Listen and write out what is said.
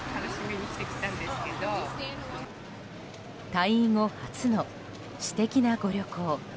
退位後初の私的なご旅行。